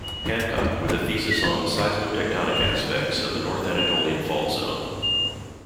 Hancock with a thesis on ""Seismotectonic Aspects of the North Anatolian Fault Zone"".